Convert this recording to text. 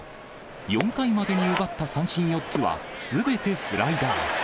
４回までに奪った三振４つは、すべてスライダー。